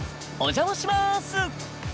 お邪魔します。